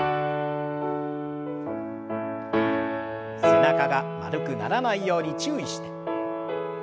背中が丸くならないように注意して。